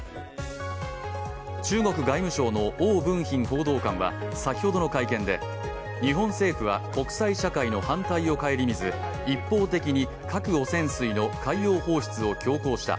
中国外務省の汪文斌報道官は先ほどの会見で日本政府は国際社会の反対を省みず、一方的に核汚染水の海洋放出を強行した。